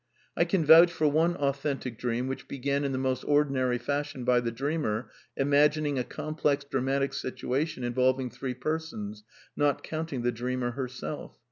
I can vouch for one authentic dream which b^an in the most ordinary fashion by the dreamer imagiiiL^ a complex dramatic situation involving three persons^ not counting the dreamer herself.